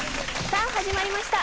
さあ始まりました